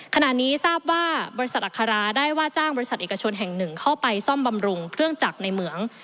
ขณะนี้ทราบว่าบริษัทอัคราได้ว่าจ้างบริษัทเอกชนแห่งหนึ่งเข้าไปซ่อมบำรุงเครื่องจักรในเหมือง